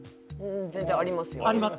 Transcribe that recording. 全然ありますよ。